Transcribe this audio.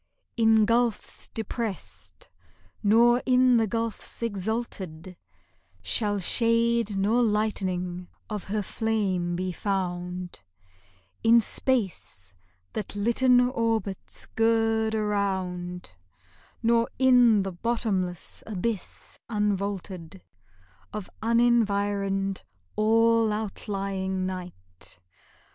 In gulfs depressed nor in the gulfs exalted Shall shade nor lightening of her flame be found; In space that litten orbits gird around, Nor in the bottomless abyss unvaulted Of unenvironed, all outlying night.